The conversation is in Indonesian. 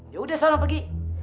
yaudah sama pergi